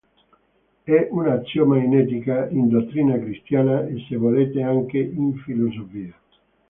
È un assioma in etica, in dottrina cristiana, e se volete anche in filosofia.